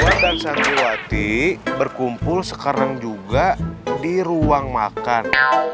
tiwa dan sang tiwati berkumpul sekarang juga di ruang makan